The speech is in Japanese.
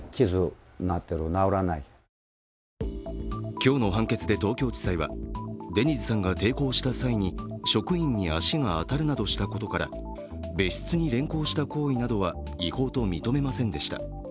今日の判決で東京地裁はデニズさんが抵抗した際に職員に足が当たるなどしたことから別室に連行した行為などは違法と認めませんでした。